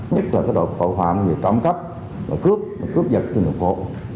nhất là cái đội tội phạm về trọng cấp và cướp cướp vật trên đường phố